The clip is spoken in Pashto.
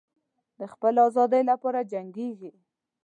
د خپلې آزادۍ لپاره جنګیږي.